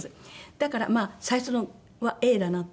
だから最初のはＡだなと。